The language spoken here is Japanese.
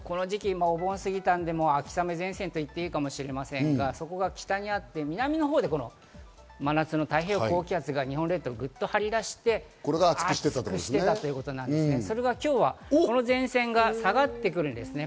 前線、この時期、お盆過ぎたので、秋雨前線と言っていいかもしれませんが、そこは北にあって南のほうで真夏の太平洋高気圧が日本列島を張り出して、暑くしていたということなんですが、今日はこの前線が下がってくるんですね。